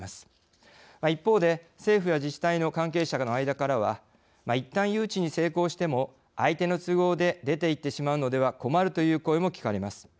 一方で政府や自治体の関係者の間からはいったん誘致に成功しても相手の都合で出ていってしまうのでは困るという声も聞かれます。